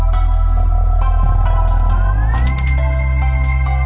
โปรดติดตามต่อไป